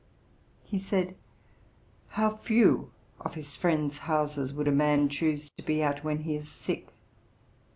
He said, 'How few of his friends' houses would a man choose to be at when he is sick.'